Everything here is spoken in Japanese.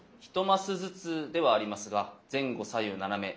１マスずつではありますが前後左右斜め